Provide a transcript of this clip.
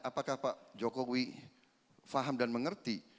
apakah pak jokowi faham dan mengerti